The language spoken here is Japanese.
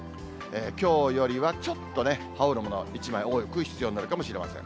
きょうよりはちょっと羽織るもの、１枚多く必要になるかもしれません。